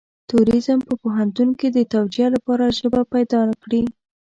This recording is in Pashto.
تروريزم په پوهنتون کې د توجيه لپاره ژبه پيدا نه کړي.